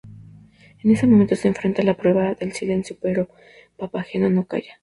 En este momento se enfrentan a la prueba del silencio, pero Papageno no calla.